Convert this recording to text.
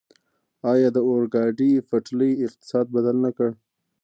آیا د اورګاډي پټلۍ اقتصاد بدل نه کړ؟